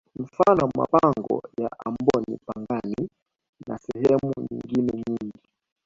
Mfano mapango ya amboni pangani na sehemu nyingine nyingi